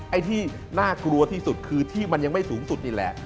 ไอ้ที่น่ากลัวที่สุดคือที่มันยังไม่สูงสุดนี่แหละ